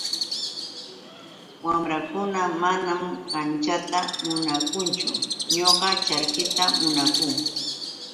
Wamrakuna manam kachata munankuchu ñataq charkita munanku.